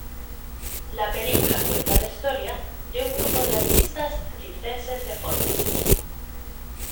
La película cuenta la historia de un grupo de artistas circenses deformes.